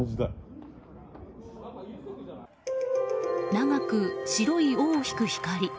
長く白い尾を引く光。